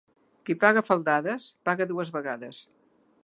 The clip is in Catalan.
Qui paga a faldades, paga dues vegades.